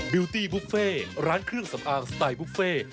ิวตี้บุฟเฟ่ร้านเครื่องสำอางสไตล์บุฟเฟ่